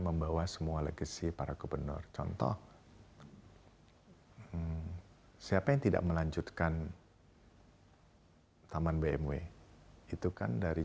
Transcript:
membawa semua legacy para gubernur contoh siapa yang tidak melanjutkan taman bmw itu kan dari